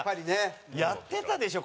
やってたでしょ？